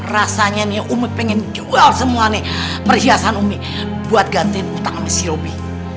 rasanya nih umi pengen jual semua nih perhiasan umi buat gantian utang sama si robi